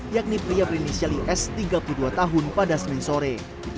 yakni pria berinisial is tiga puluh dua tahun pada senin sore